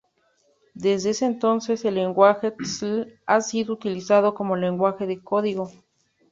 Desde ese entonces, el lenguaje Tcl ha sido utilizado como lenguaje de código.